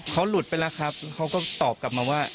เขาหลุดไปแล้วครับเขาก็ตอบกลับมาว่า